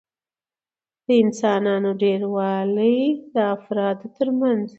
د انسانانو ډېروالي د افرادو ترمنځ